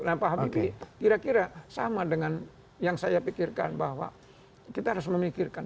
nah pak habibie kira kira sama dengan yang saya pikirkan bahwa kita harus memikirkan